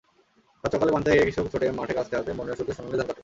সাতসকালে পান্তা খেয়ে কৃষক ছোটে মাঠেকাস্তে হাতে মনের সুখে সোনালি ধান কাটে।